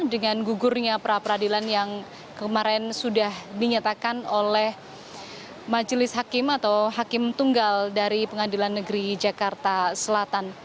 dengan gugurnya pra peradilan yang kemarin sudah dinyatakan oleh majelis hakim atau hakim tunggal dari pengadilan negeri jakarta selatan